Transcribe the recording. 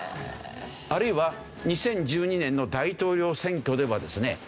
あるいは２０１２年の大統領選挙ではですね